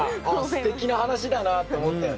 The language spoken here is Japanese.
すてきな話だなって思ったよね。